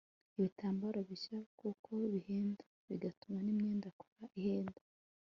ibitambaro bishya kuko bihenda bigatuma n'imyenda akora ihenda